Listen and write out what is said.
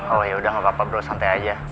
oh yaudah gapapa bro santai aja